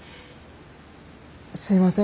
すいません。